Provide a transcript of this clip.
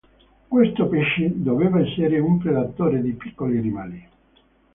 Questo pesce doveva essere un predatore di piccoli animali.